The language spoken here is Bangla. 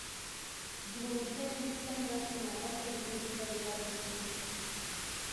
জীবনের শেষ ইনিংসটা খেলার সময় আবার যেন তিনি শিবাজি পার্কের সেই কিশোর।